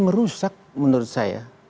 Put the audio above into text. merusak menurut saya